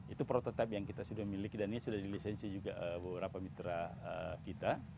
itu prototipe yang kita sudah miliki dan ini sudah dilisensi juga beberapa mitra kita